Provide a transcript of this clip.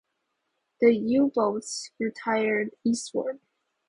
The U-boats retired eastward.